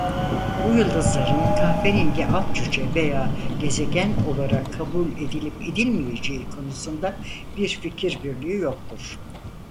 Bu yıldızların kahverengi altcüce veya gezegen olarak kabul edilip edilmeyeceği konusunda bir fikir birliği yoktur.